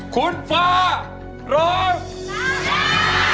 คุณฟ้าร้อง